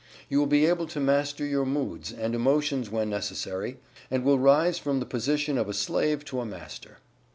You will be able to master your moods, and emotions when necessary, and will rise from the position of a slave to a Master.